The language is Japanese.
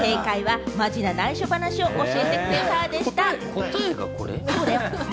答えがこれ？